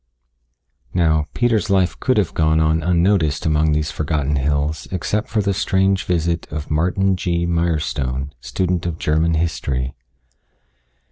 Now, Peter's life could have gone on unnoticed among these forgotten hills, except for the strange visit of Martin G. Mirestone, student of German history.